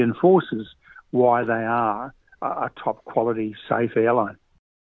kenapa mereka adalah airline yang aman dan berkualitas terbaik